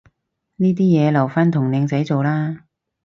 呢啲嘢留返同靚仔做啦